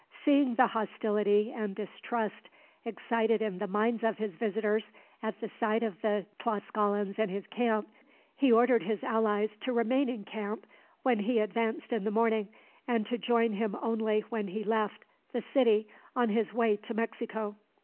Seeing the hostility and distrust excited in the minds of his visitors at the sight of the Tlascalans in his camp, he ordered his allies to remain in camp when he advanced in the morning, and to join him only when he left the city on his way to Mexico.